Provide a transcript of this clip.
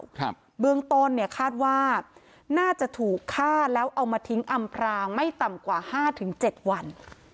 ครับเบื้องต้นเนี่ยคาดว่าน่าจะถูกฆ่าแล้วเอามาทิ้งอำพรางไม่ต่ำกว่าห้าถึงเจ็ดวัน